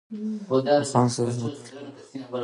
افغانستان د زردالو له مخې پېژندل کېږي.